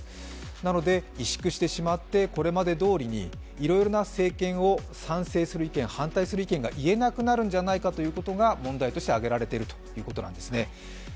なので、萎縮してしまってこれまでどおりにいろいろな政権を賛成する意見、反対する意見を言えなくなるんじゃないかということが問題として挙げられているということなんですね。